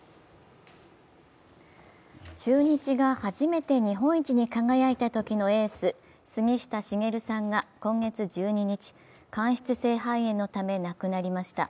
中日が初めて日本一に輝いたときのエース、杉下茂さんが今月１２日、間質性肺炎のため亡くなりました。